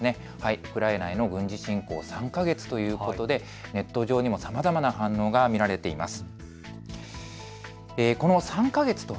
ウクライナへの軍事侵攻３か月ということでネット上にもさまざまな反応が見られています。